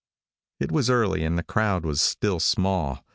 It was early and the crowd was still small.